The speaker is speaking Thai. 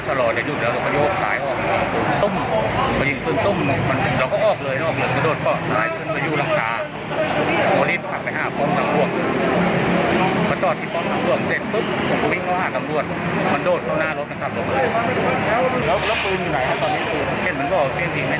ถ้าเก็ดเศระใจในใส่แน่น้ำันราจะเก็ดไป